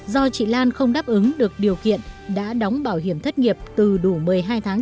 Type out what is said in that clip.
do chị lan không đáp ứng được điều kiện đã đóng bảo hiểm thất nghiệp từ đủ một mươi hai tháng